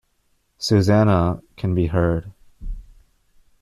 Susanna" can be heard.